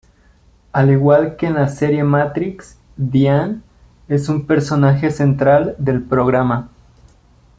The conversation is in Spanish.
Al igual que en la serie matriz, Diane es un personaje central del programa.